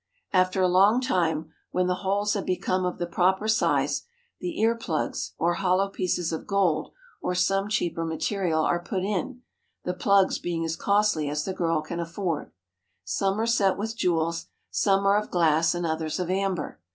After a long time, when the holes have become of the proper size, the ear plugs or hollow pieces of gold or some cheaper material are put in, the plugs being as costly as the girl can afford. Some are set with jewels, some are of glass, and others of amber.